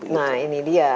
nah ini dia